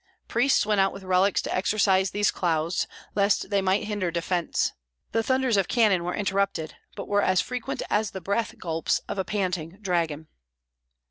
Priests went out with relics to exorcise these clouds, lest they might hinder defence. The thunders of cannon were interrupted, but were as frequent as the breath gulps of a panting dragon.